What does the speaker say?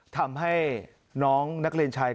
ทำให้น้องนักเรียนชาย